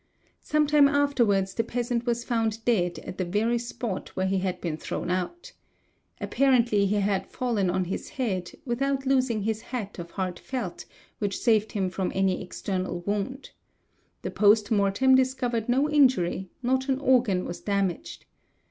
Sometime afterwards the peasant was found dead at the very spot where he had been thrown out. Apparently he had fallen on his head, without losing his hat of hard felt, which saved him from any external wound. The post mortem discovered no injury; not an organ was damaged.